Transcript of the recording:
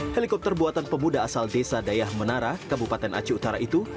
helikopter buatan pemuda asal desa dayah menara kabupaten aceh utara itu